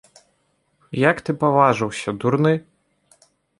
Як ты паважыўся, дурны?